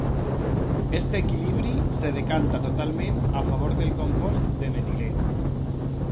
Aquest equilibri es decanta totalment a favor del compost de metilè.